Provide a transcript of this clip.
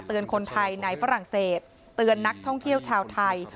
คนไทยในฝรั่งเศสเตือนนักท่องเที่ยวชาวไทย